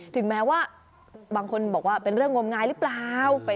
ถึงแม้ว่าบางคนบอกว่าเป็นเรื่องงมงายหรือเปล่า